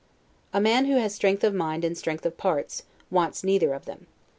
A man who has strength of mind and strength of parts, wants neither of them.